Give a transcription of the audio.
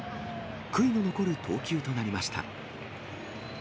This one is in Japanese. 悔いの残る投球となりました。